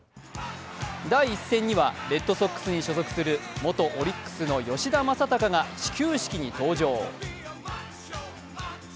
第１戦にはレッドソックスに所属する元オリックスの吉田正尚が始球式に登場。